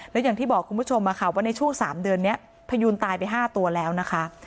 แล้วอย่างที่บอกคุณผู้ชมว่าในช่วง๓เดือนนี้พยูนตายไป๕ตัวแล้วนะคะ